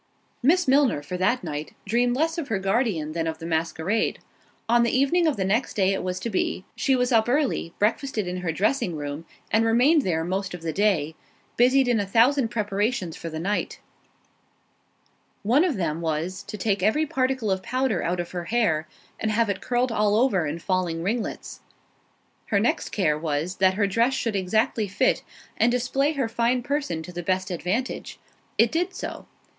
Miss Milner, for that night, dreamed less of her guardian than of the masquerade. On the evening of the next day it was to be—she was up early, breakfasted in her dressing room, and remained there most of the day, busied in a thousand preparations for the night; one of them was, to take every particle of powder out of her hair, and have it curled all over in falling ringlets. Her next care was, that her dress should exactly fit, and display her fine person to the best advantage—it did so.